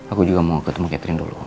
aku juga mau ketemu catering dulu